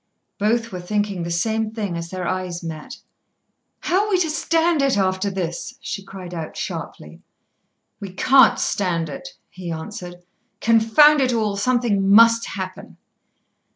Both were thinking the same thing as their eyes met. "How are we to stand it, after this?" she cried out sharply. "We can't stand it," he answered. "Confound it all, something must happen."